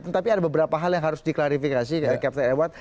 tapi ada beberapa hal yang harus diklarifikasi dari captain ewet